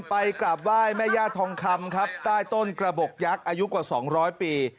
ไปกราบไหว้แม่ย่าทองคำครับใต้ต้นกระบบยักษ์อายุกว่า๒๐๐ปี